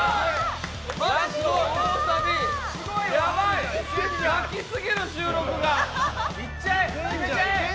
いっちゃえ！